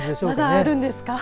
まだあるんですか。